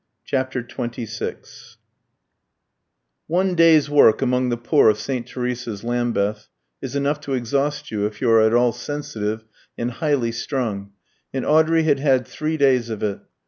CHAPTER XXVI One day's work among the poor of St. Teresa's, Lambeth, is enough to exhaust you, if you are at all sensitive and highly strung, and Audrey had had three days of it.